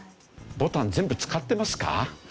ボタン全部使ってますか？